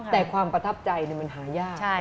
แต่ความประทับใจมันหายาก